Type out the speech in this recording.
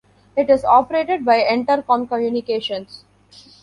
It is operated by Entercom Communications.